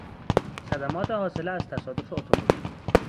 صدمات حاصله از تصادف اتومبیل